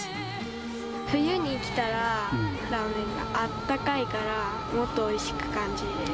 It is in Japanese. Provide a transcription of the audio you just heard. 冬に来たら、ラーメンがあったかいから、もっとおいしく感じる。